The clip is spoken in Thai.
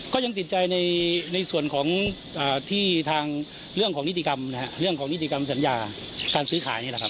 ก็ยังติดใจในส่วนของที่ทางนิติกรรมเนี้ยเรื่องของนิติกรรมสัญญาการซื้อขายได้ละครับ